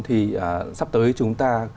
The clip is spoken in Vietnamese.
thì sắp tới chúng ta